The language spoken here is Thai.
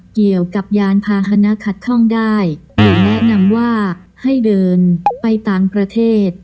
เกี่ยวกับยานพาหนะขัดข้องได้หรือแนะนำว่าให้เดินไปต่างประเทศ